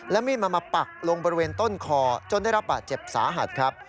และมีดมามาปักลงบริเวณต้นคอจนได้รับบาดเจ็บสาหัสครับ